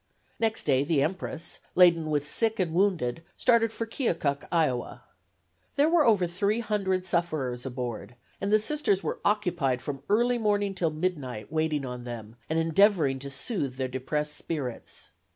Next day the "Empress," laden with sick and wounded, started for Keokuk, Iowa. There were over three hundred sufferers aboard, and the Sisters were occupied from early morning till midnight waiting on them and endeavoring to soothe their depressed spirits.